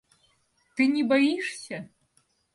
Ты не боишься?